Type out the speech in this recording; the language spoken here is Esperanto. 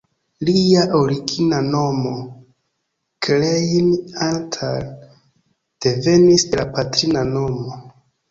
Lia origina nomo "Klein Antal" devenis de la patrina nomo.